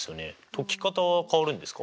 解き方は変わるんですか？